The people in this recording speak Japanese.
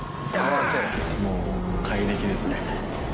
もう怪力ですね。